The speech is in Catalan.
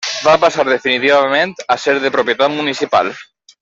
Va passar definitivament a ser de propietat municipal.